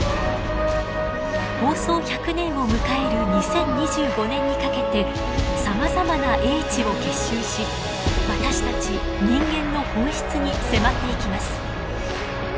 放送１００年を迎える２０２５年にかけてさまざまな英知を結集し私たち人間の本質に迫っていきます。